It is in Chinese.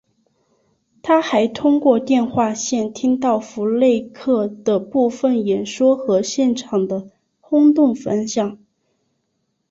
他还通过电话线听到福勒克的部分演说和现场的轰动反响。